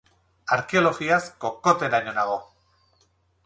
Arkeologiaz kokoteraino nago.